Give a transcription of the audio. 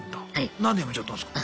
何で辞めちゃったんすか？